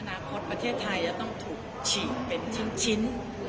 อนาคตประเทศไทยจะต้องถูกฉีกเป็นชิ้น